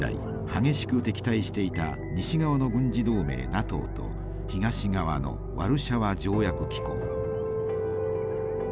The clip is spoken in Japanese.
激しく敵対していた西側の軍事同盟ＮＡＴＯと東側のワルシャワ条約機構。